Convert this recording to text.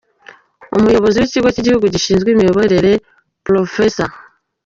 Umuyobozi w’Ikigo cy’Igihugu Gishinzwe Imiyoborere Prof .